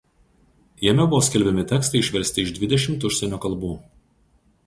Jame buvo skelbiami tekstai išversti iš dvidešimt užsienio kalbų.